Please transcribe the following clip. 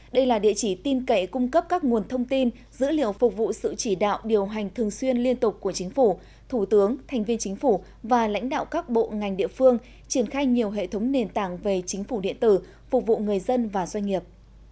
đây là địa chỉ tin cậy cung cấp các nguồn thông tin dữ liệu phục vụ sự chỉ đạo điều hành thường xuyên liên tục của chính phủ thủ tướng thành viên chính phủ và lãnh đạo các bộ ngành địa phương triển khai nhiều hệ thống nền tảng về chính phủ điện tử phục vụ người dân và doanh nghiệp